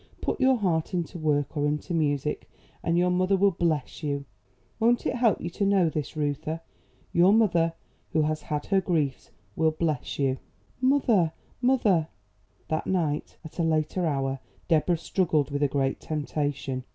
Put your heart into work or into music, and your mother will bless you. Won't it help you to know this, Reuther? Your mother, who has had her griefs, will bless you." "Mother, mother!" That night, at a later hour, Deborah struggled with a great temptation.